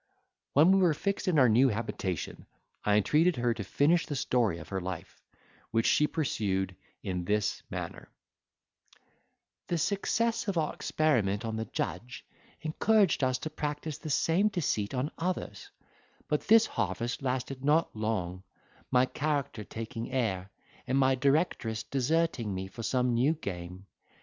When we were fixed in our new habitation, I entreated her to finish the story of her life, which she pursued in this manner:— 'The success of our experiment on the judge encouraged us to practice the same deceit on others; but this harvest lasted not long, my character taking air, and my directress deserting me for some new game.